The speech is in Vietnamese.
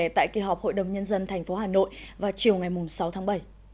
tại kỳ họp hội đồng nhân dân thành phố hà nội vào chiều ngày sáu tháng bảy